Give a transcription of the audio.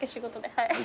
はい。